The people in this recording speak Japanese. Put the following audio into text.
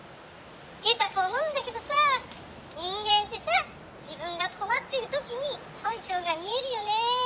ゲタ子思うんだけどさ人間ってさ自分が困ってる時に本性が見えるよね。